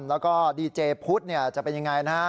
แล้วก็ดีเจพุทธจะเป็นยังไงนะฮะ